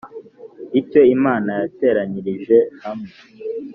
icyo Imana yateranyirije hamwe